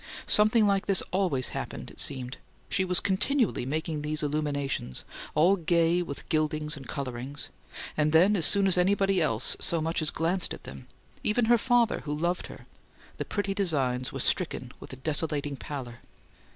Something like this always happened, it seemed; she was continually making these illuminations, all gay with gildings and colourings; and then as soon as anybody else so much as glanced at them even her father, who loved her the pretty designs were stricken with a desolating pallor.